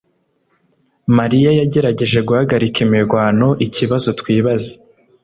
mariya yagerageje guhagarika imirwano ikibazo twibaza